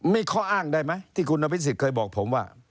มีข้ออ้างได้ไหมที่คุณอภิษฎเคยบอกผมว่า